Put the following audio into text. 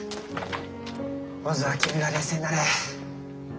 まずは君が冷静になれ！